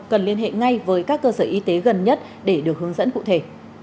cần liên hệ ngay với các cơ sở y tế gần nhất để được hướng dẫn cụ thể